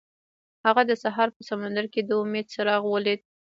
هغه د سهار په سمندر کې د امید څراغ ولید.